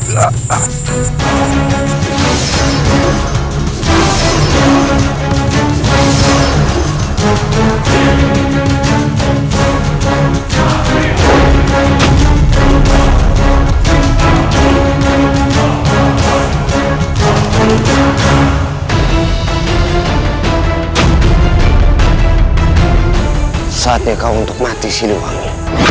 saatnya kau untuk mati siluwangi